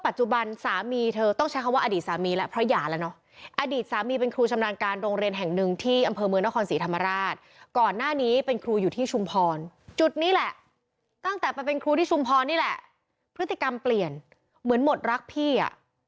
จุดนี้แหละตั้งแต่ไปเป็นครูที่ชุมพรนี่แหละพฤติกรรมเปลี่ยนเหมือนหมดรักพี่อะ